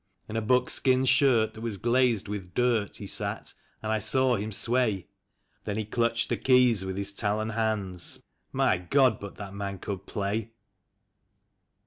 In a buckskin shirt that was glazed with dirt he sat, and I saw him sway; Then he clutched the keys with his talon hands — my God ! but that man could play